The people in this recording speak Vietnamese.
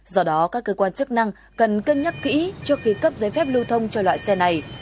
do đó các cơ quan chức năng cần cân nhắc kỹ trước khi cấp giấy phép lưu thông cho loại xe này